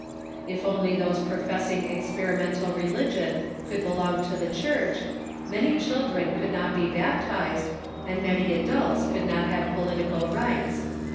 If only those professing experimen tal religion could belong to the Church, many children could not be baptized, and many adults could not have political THEOLOGICAL MOVEMENTS 481 rights.